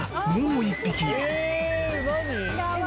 もう１匹］